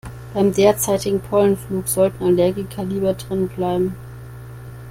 Beim derzeitigen Pollenflug sollten Allergiker lieber drinnen bleiben.